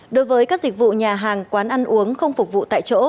đối với các dịch vụ nhà hàng quán ăn uống không phục vụ tại chỗ